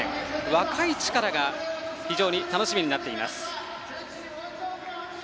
若い力が非常に楽しみになっています。